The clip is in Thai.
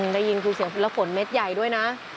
ได้ยินคือเสียงละฝนเม็ดใหญ่ด้วยนะ